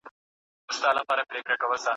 که متن ونه لوستل سي سمه څېړنه نسي ترسره کېدای.